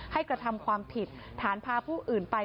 กระทำความผิดฐานพาผู้อื่นไป